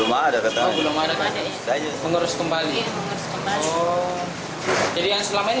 belum ada katanya alasannya apa dari pihak kecamatan